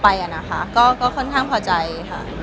อะนะคะก็ค่อนข้างพอใจค่ะ